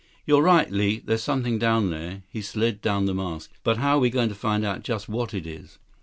138 "You're right, Li. There's something down there." He slid down the mast. "But how are we going to find out just what it is?"